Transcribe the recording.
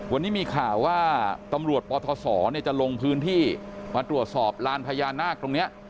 วันนี้มีข่าวว่าตำรวจปทศจะลงพื้นที่มาตรวจสอบลานพญานาคตรงนี้